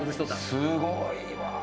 すごいわぁ！